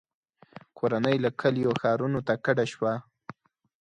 • کورنۍ له کلیو ښارونو ته کډه شوه.